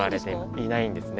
いないんですね。